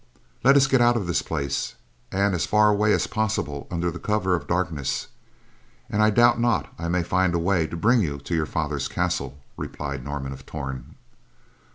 "Let us get out of this place, and as far away as possible under the cover of darkness, and I doubt not I may find a way to bring you to your father's castle," replied Norman of Torn.